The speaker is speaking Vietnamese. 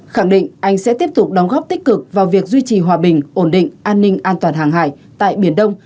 khẳng định anh sẽ tiếp tục đóng góp tích cực vào việc duy trì hòa bình ổn định an ninh an toàn hàng hải tại biển đông